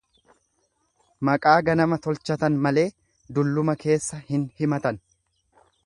Maqaa ganama tolchatan malee dulluma keessa hin himatan.